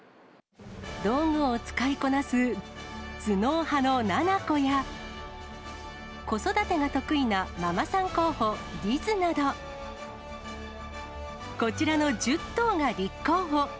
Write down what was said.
道具を使いこなす頭脳派のナナコや、子育てが得意なママさん候補、リズなど、こちらの１０頭が立候補。